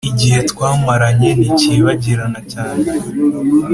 igihe twamaranye nticyibagirana cyane,